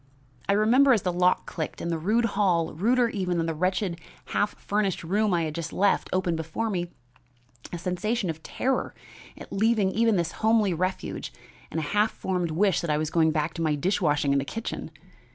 I remember, as the lock clicked and the rude hall, ruder even than the wretched half furnished room I had just left, opened before me, a sensation of terror at leaving even this homely refuge and a half formed wish that I was going back to my dish washing in the kitchen.